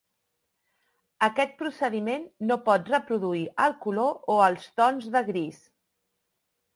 Aquest procediment no pot reproduir el color o els tons de gris.